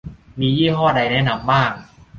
มียี่ห้อใดแนะนำบ้าง~